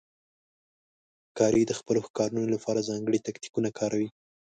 ښکاري د خپلو ښکارونو لپاره ځانګړي تاکتیکونه کاروي.